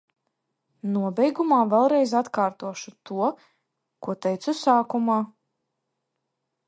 Nobeigumā vēlreiz atkārtošu to, ko teicu sākumā.